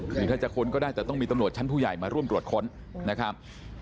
คือถ้าจะค้นก็ได้แต่ต้องมีตำรวจชั้นผู้ใหญ่มาร่วมตรวจค้นนะครับ